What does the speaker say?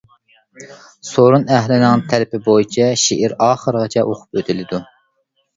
سورۇن ئەھلىنىڭ تەلىبى بويچە شېئىر ئاخىرغىچە ئوقۇپ ئۆتۈلىدۇ.